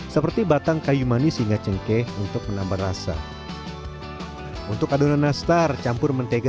seperti batang kayu manis hingga cengkeh untuk menambah rasa untuk adonan nastar campur mentega